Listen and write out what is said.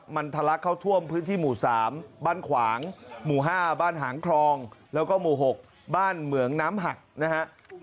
มันทะลักเข้าท่วมพื้นที่หมู่๓บ้านขวางหมู่๕บ้านหางคลองแล้วก็หมู่๖บ้านเหมืองน้ำหักนะฮะ